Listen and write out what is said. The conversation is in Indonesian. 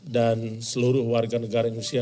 dan seluruh warga negara indonesia